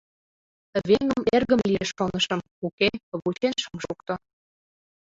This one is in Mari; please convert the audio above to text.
— Веҥым эргым лиеш шонышым — уке, вучен шым шукто.